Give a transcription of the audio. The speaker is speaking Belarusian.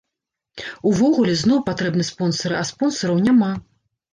Увогуле, зноў патрэбны спонсары, а спонсараў няма!